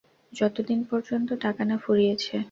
যতদিন পর্যন্ত টাকা না ফুরিয়েছে।